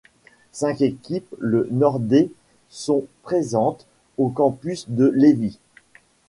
Cinq équipes Le Nordet sont présentes au campus de Lévis.